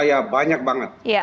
ya banyak banget